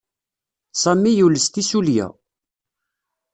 Sami yules tissulya.